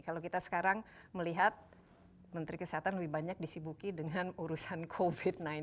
kalau kita sekarang melihat menteri kesehatan lebih banyak disibuki dengan urusan covid sembilan belas